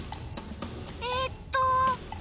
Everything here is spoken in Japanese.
えっと。